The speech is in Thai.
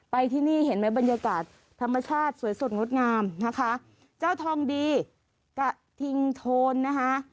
ที่นี่เห็นไหมบรรยากาศธรรมชาติสวยสดงดงามนะคะเจ้าทองดีกะทิงโทนนะคะ